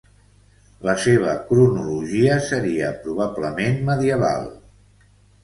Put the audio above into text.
La seva cronologia seria probablement medieval.